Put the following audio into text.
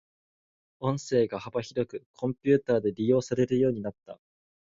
音声が幅広くコンピュータで利用されるようになった。